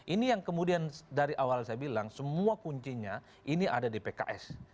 ini yang kemudian dari awal saya bilang semua kuncinya ini ada di pks